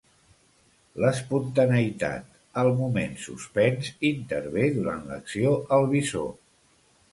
L"espontaneïtat, el moment suspens, intervé durant l"acció al visor.